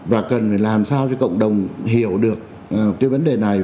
và cần phải làm sao cho cộng đồng hiểu được cái vấn đề này